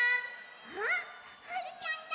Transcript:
あはるちゃんだ！